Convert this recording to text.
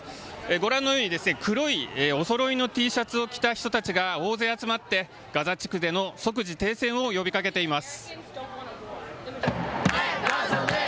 ご覧のように黒いおそろいのＴシャツを着た人たちが大勢集まってガザ地区での即時停戦を呼びかけています。